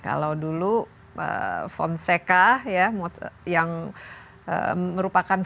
kalau dulu fonseca yang merupakan